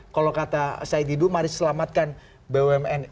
kalau kata said didu mari selamatkan bumn